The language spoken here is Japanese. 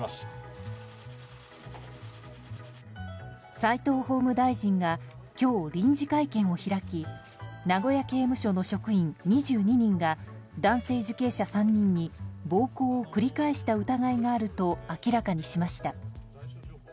齋藤法務大臣が今日、臨時会見を開き名古屋刑務所の職員２２人が男性受刑者３人に暴行を繰り返した疑いがあると明らかにしました。